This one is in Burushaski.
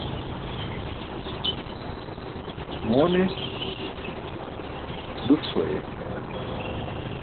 Moon e?, duṣc̣o ayeh.